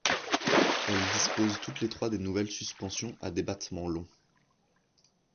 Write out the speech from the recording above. Elles disposent toutes les trois des nouvelles suspensions à débattement long.